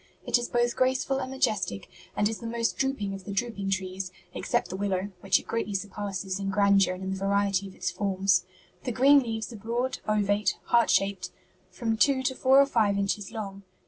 It is both graceful and majestic, and is the most drooping of the drooping trees, except the willow, which it greatly surpasses in grandeur and in the variety of its forms. The green leaves are broad, ovate, heart shaped, from two to four or five inches long.